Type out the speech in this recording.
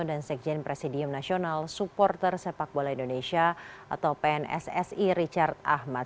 dan sekjen presidium nasional supporter sepak bola indonesia atau pnssi richard ahmad